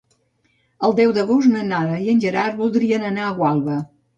El deu d'agost na Nara i en Gerard voldrien anar a Gualba.